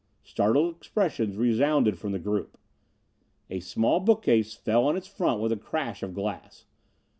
Startled expressions resounded from the group. A small bookcase fell on its front with a crash of glass.